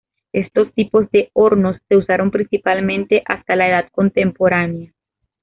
Estos tipos de hornos se usaron principalmente hasta la Edad Contemporánea.